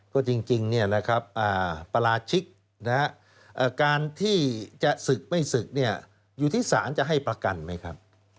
ก็จริงเนี่ยแหละครับปราชิกนะครับการที่จะสึกไม่สึกเนี่ยอยู่ที่ศาลจะให้ประกันไหมครับ